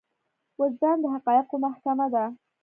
وجدان د حقايقو محکمه ده.